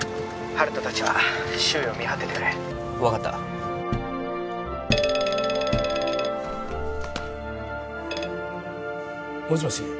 温人達は周囲を見張っててくれ分かったもしもし？